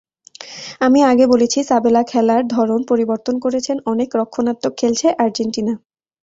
আমি আগে বলেছি, সাবেলা খেলার ধরন পরিবর্তন করেছেন, অনেক রক্ষণাত্মক খেলেছে আর্জেন্টিনা।